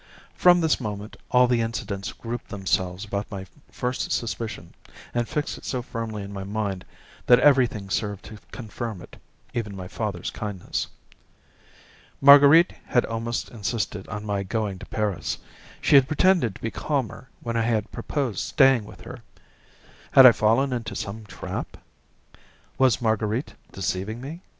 From this moment all the incidents grouped themselves about my first suspicion, and fixed it so firmly in my mind that everything served to confirm it, even my father's kindness. Marguerite had almost insisted on my going to Paris; she had pretended to be calmer when I had proposed staying with her. Had I fallen into some trap? Was Marguerite deceiving me?